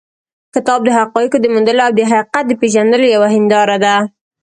کتاب د حقایقو د موندلو او د حقیقت د پېژندلو یوه هنداره ده.